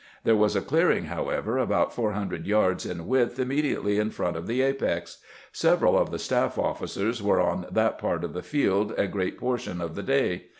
There was a clearing, however, about four hundred yards in width immediately in front of the apex. Several of the staff officers were on that part 100 CAMPAIGNING WITH GEANT of the field a great portion of the day.